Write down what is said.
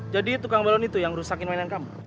jadi tukang balon itu yang rusakin mainan kamu